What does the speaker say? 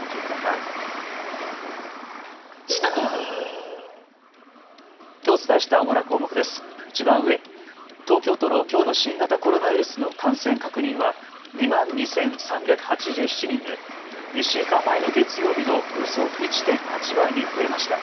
いちばん上、東京都のきょうの新型コロナウイルスの感染確認は２万２３８７人で１週間前の月曜日のおよそ１．８倍に増えました。